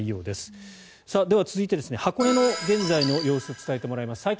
では、続いて箱根の現在の様子を伝えてもらいます。